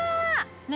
何？